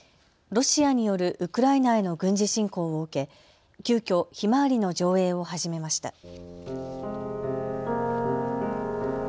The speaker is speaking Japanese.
ロシアによるウクライナへの軍事侵攻を受け急きょ、ひまわりの上映を始めました。